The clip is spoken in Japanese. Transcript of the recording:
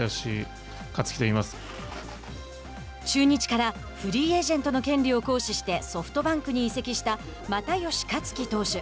中日からフリーエージェントの権利を行使してソフトバンクに移籍した又吉克樹投手。